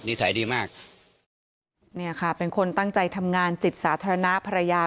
นี่ค่ะเป็นคนตังใจทำงานจิตศาสตรนะพรรยา